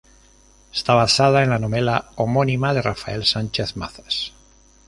Está basada en la novela homónima de Rafael Sánchez Mazas.